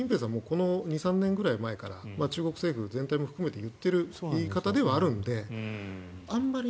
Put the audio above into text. この２３年ぐらい前から中国政府全体も含めて言ってる言い方ではあるのであんまり